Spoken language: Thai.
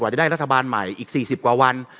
จะได้รัฐบาลใหม่อีก๔๐กว่าวัน